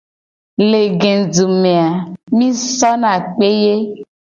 Le gedu me a mi sona kpe ye.